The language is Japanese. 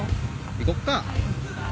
行こっか。